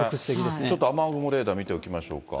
ちょっと雨雲レーダー見ておきましょうか。